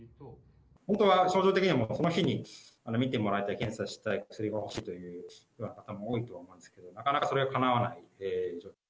本当は症状的にも、その日に診てもらいたい、検査したい、薬が欲しいという方も多いと思いますけど、なかなかそれがかなわないので。